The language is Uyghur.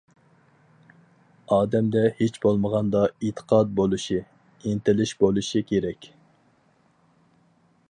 ئادەمدە ھېچ بولمىغاندا ئېتىقاد بولۇشى، ئىنتىلىش بولۇشى كېرەك.